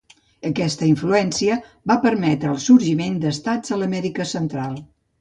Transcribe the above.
Aquesta influència va permetre el sorgiment d'estats a l'Amèrica Central.